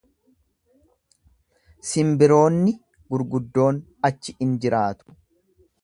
Simbiroonni gurguddoon achi in jiraatu.